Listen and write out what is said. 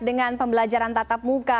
dengan pembelajaran tatap muka